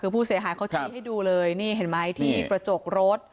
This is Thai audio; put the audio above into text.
ก็ผู้เสียหายเขาใช้ให้ดูเลยนี่เขามีกระจกรถ